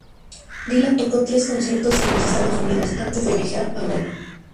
Dylan tocó tres conciertos en los Estados Unidos antes de viajar a Europa.